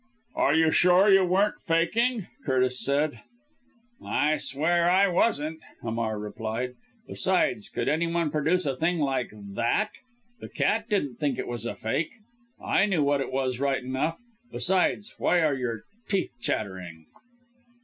"Are you sure you weren't faking?" Curtis said. "I swear I wasn't," Hamar replied; "besides could any one produce a thing like THAT? The cat didn't think it was a fake it knew what it was right enough. Besides, why are your teeth chattering?"